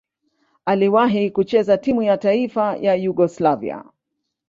Aliwahi kucheza timu ya taifa ya Yugoslavia.